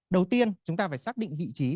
đầu tiên chúng ta phải xác định vị trí